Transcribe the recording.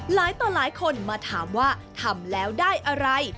ต่อหลายคนมาถามว่าทำแล้วได้อะไร